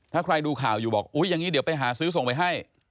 ถ้าใครดูข่าวอยู่บอกอุ๊ยอย่างนี้เดี๋ยวไปหาซื้อส่งไปให้